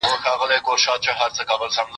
زه مخکي سپينکۍ مينځلي وو؟!